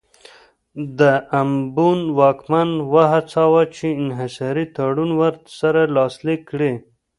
د امبون واکمن وهڅاوه چې انحصاري تړون ورسره لاسلیک کړي.